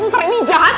suster ini jahat